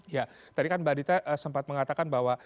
ya tadi kan mbak adita sempat mengatakan bahwa